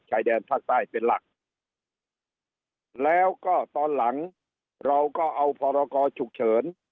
ชายแดนภาคใต้เป็นหลักแล้วก็ตอนหลังเราก็เอาพรกรฉุกเฉิน